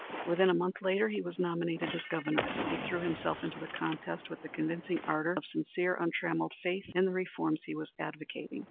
When a month later he was nominated as Governor he threw himself into the contest with the convincing ardor of sincere, untrammelled faith in the reforms he was advocating.